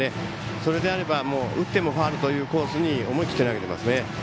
それであれば打ってもファウルというコースに思い切り投げてますね。